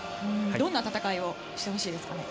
どんな戦いをしてほしいですかね。